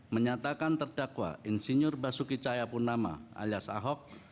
menyatakan terdakwa insinyur basuki cahayapunama alias ahok